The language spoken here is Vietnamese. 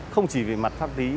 không chỉ về mặt pháp lý